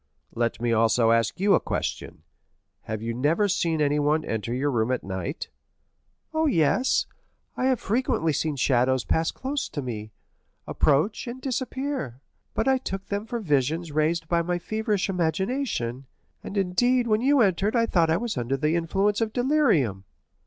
"Let me also ask you a question. Have you never seen anyone enter your room at night?" "Oh, yes; I have frequently seen shadows pass close to me, approach, and disappear; but I took them for visions raised by my feverish imagination, and indeed when you entered I thought I was under the influence of delirium."